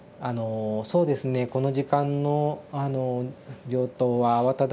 「そうですねこの時間の病棟は慌ただしいね。